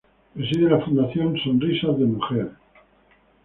Preside la fundación Sonrisas de Mujer.